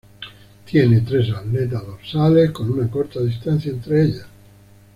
Tiene tres aletas dorsales, con una corta distancia entre ellas.